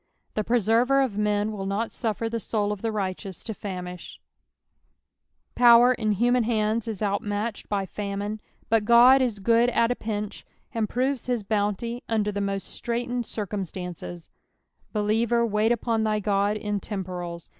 The Preserver of men will not suffer the soul of the righteous to famish, ^'ower in human hands is outmatched hy famine, but God is cood at a pinch, and proves his bounty under the most straitened cir cumstnnc^) Believer, wait upon thy Ood in temporals.